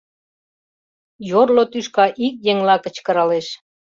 Йорло тӱшка ик еҥла кычкыралеш: